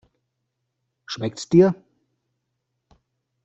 Schmeckt's dir?